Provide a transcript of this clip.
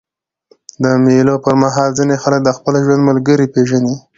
د مېلو پر مهال ځيني خلک د خپل ژوند ملګری پېژني.